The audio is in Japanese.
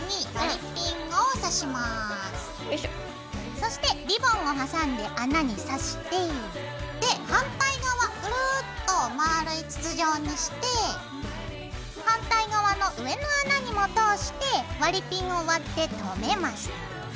そしてリボンを挟んで穴にさして反対側グルッとまぁるい筒状にして反対側の上の穴にも通して割りピンを割ってとめます。